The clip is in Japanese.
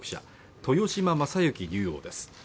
豊島将之竜王です